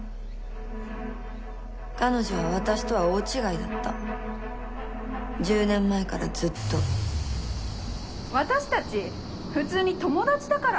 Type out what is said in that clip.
彼女は私とは大違いだった１０年前からずっと私達普通に友達だから